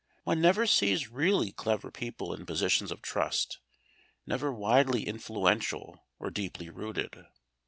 One never sees really clever people in positions of trust, never widely influential or deeply rooted.